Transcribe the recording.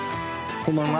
こんばんは。